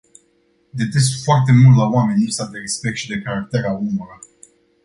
Detest foarte mult la oameni lipsa de respect și de caracter a unora.